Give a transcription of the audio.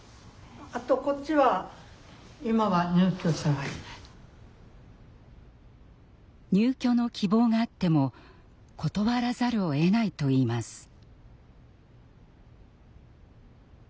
あとこっちは入居の希望があっても断らざるをえないといいます。